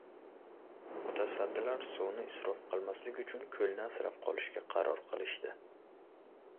Mutasaddilar suvni isrof qilmaslik uchun koʻlni asrab qolishga qaror qilishdi.